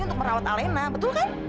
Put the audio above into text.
untuk merawat alena betul kan